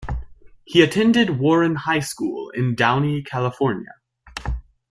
He attended Warren High School in Downey, California.